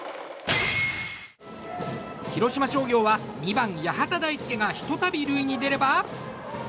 広島商業は２番、八幡大介がひとたび塁に出れば。